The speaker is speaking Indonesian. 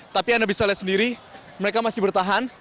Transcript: tapi anda bisa lihat sendiri mereka masih bertahan